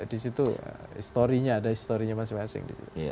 di situ ada historinya masing masing